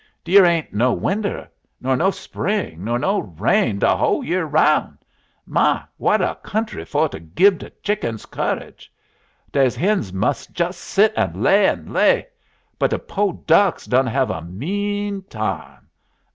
"Dere ain't no winter, nor no spring, nor no rain de hole year roun'. My! what a country fo' to gib de chick'ns courage! Dey hens must jus' sit an' lay an' lay. But de po' ducks done have a mean time.